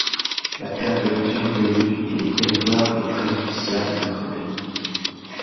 La perte de confiance des élus et des territoires est préjudiciable à notre pays.